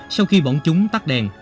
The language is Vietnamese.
sau khi bọn chúng tắt đèn